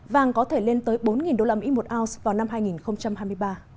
vàng có thể lên tới bốn usd một ounce vào năm hai nghìn hai mươi ba